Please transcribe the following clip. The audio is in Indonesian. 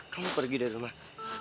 kamu pergi dari rumah